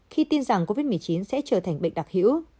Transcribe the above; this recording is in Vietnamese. khi tin rằng covid một mươi chín sẽ trở thành bệnh đặc hữu